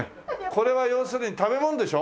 これは要するに食べ物でしょ？